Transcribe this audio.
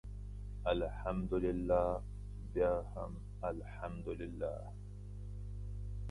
الحمدلله بیا هم الحمدلله.